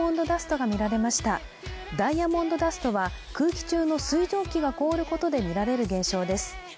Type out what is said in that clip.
ダイヤモンドダストは、空気中の水蒸気が凍ることが見られる現象です。